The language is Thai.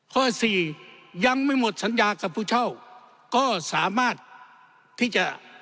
ข้อสี่ยังไม่หมดสัญญากับผู้เช่าก็สามารถที่จะ